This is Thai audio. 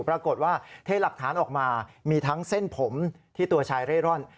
ปรากฏว่าเทหลักฐานออกมามีทั้งเส้นผมที่ตัวชายเร่ร่อน